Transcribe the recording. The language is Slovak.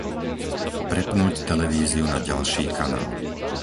Prepnúť televíziu na ďalší kanál.